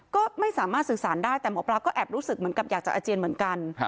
ก็ไม่สามารถสื่อสารได้แต่หมอปลาก็แอบรู้สึกเหมือนกับอยากจะอาเจียนเหมือนกัน